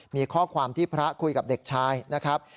มีข้อความที่พระคุยกับเด็กชายนะครับ